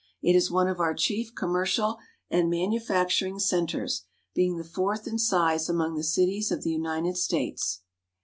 It is one of our chief com mercial and man ufacturing cen ters, being the fourth in size among the cities of the United States.